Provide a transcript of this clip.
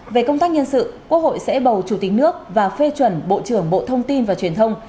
về công tác nhân sự quốc hội sẽ bầu chủ tịch nước và phê chuẩn bộ trưởng bộ thông tin và truyền thông